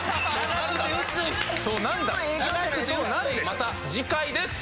また次回です。